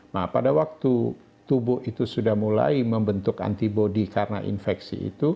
nah pada waktu tubuh itu sudah mulai membentuk antibody karena infeksi itu